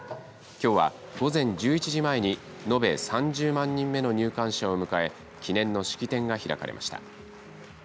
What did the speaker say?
きょうは午前１１時前に延べ３０万人目の入館者を迎え記念の式典が開かれました。